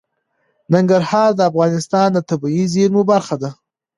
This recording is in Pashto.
ننګرهار د افغانستان د طبیعي زیرمو برخه ده.